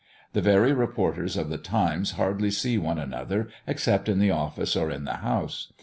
The very reporters of the Times hardly see one another except in the office or in the House.